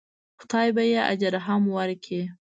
خدای به یې اجر هم ورکړي.